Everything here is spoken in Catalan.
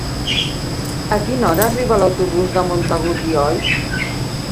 A quina hora arriba l'autobús de Montagut i Oix?